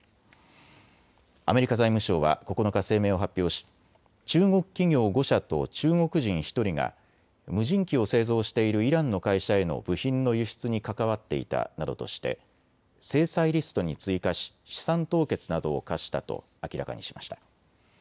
アメリカ財務省は９日、声明を発表し中国企業５社と中国人１人が無人機を製造しているイランの会社への部品の輸出に関わっていたなどとして制裁リストに追加し資産凍結などを科したと明らかにしました。